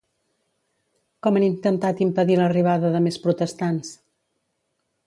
Com han intentat impedir l'arribada de més protestants?